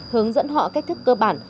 hướng dẫn họ cách thức cơ bản